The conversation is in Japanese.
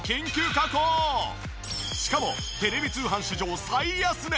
しかもテレビ通販史上最安値！